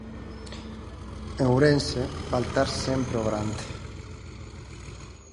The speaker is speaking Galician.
En Ourense, Baltar sempre ao grande.